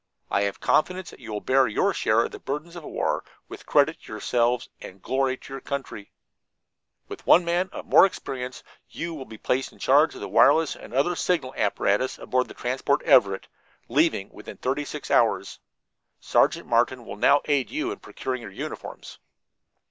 I have confidence that you will bear your share of the burdens of war with credit to yourselves and glory to your country. With one other man of more experience, you will be placed in charge of the wireless and other signal apparatus aboard the transport Everett, leaving within thirty six hours. Sergeant Martin will now aid you in procuring your uniforms."